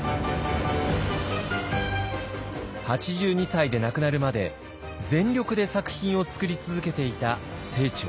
８２歳で亡くなるまで全力で作品を作り続けていた清張。